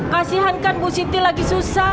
kasihan kan bu siti lagi susah